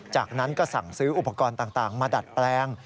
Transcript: จากนั้นก็สั่งซื้ออุปกรณ์ต่างมาดัดแปลง